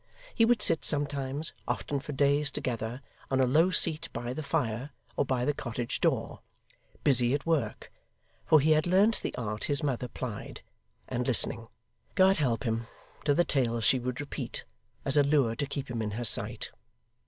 He would sit sometimes often for days together on a low seat by the fire or by the cottage door, busy at work (for he had learnt the art his mother plied), and listening, God help him, to the tales she would repeat, as a lure to keep him in her sight.